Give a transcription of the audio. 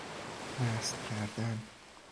مست کردن